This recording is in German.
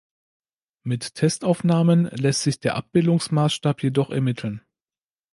Mit Testaufnahmen lässt sich der Abbildungsmaßstab jedoch ermitteln.